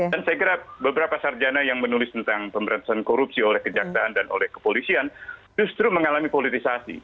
dan saya kira beberapa sarjana yang menulis tentang pemberantasan korupsi oleh kejaksaan dan oleh kepolisian justru mengalami politisasi